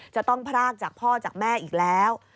จะต้องพรากจากพ่อจากแม่อีกแล้ว